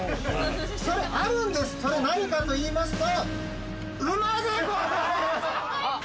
それあるんですそれ何かといいますと馬でございます！